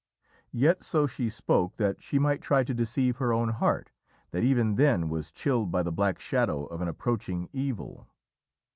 Yet so she spoke that she might try to deceive her own heart, that even then was chilled by the black shadow of an approaching evil.